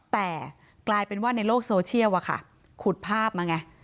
แต่ในโลกโซเชียลคุดภาพมาไง